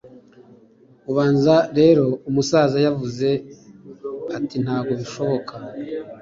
Ubanza rero umusaza yavuze atintago bishonoka